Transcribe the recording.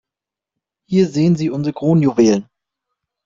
Hier sehen Sie unsere Kronjuwelen.